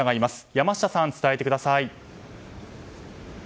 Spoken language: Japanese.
山下さん、伝えてください。